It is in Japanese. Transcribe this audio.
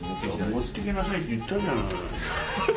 持ってきなさいって言ったじゃない。